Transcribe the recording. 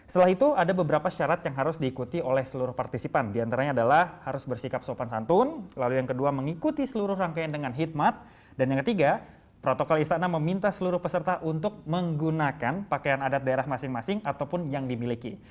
setelah itu ada beberapa syarat yang harus diikuti oleh seluruh partisipan diantaranya adalah harus bersikap sopan santun lalu yang kedua mengikuti seluruh rangkaian dengan hikmat dan yang ketiga protokol istana meminta seluruh peserta untuk menggunakan pakaian adat daerah masing masing ataupun yang dimiliki